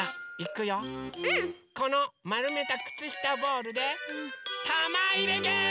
このまるめたくつしたボールでたまいれゲーム！